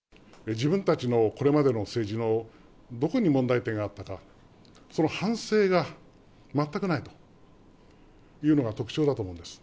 自分たちのこれまでの政治のどこに問題点があったか、その反省が全くないというのが特徴だと思うんです。